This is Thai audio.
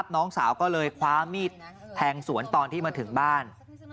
น้องสาวก็เลยคว้ามีดแทงสวนตอนที่มาถึงบ้าน